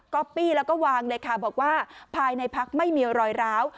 อปปี้แล้วก็วางเลยค่ะบอกว่าภายในพักไม่มีรอยร้าว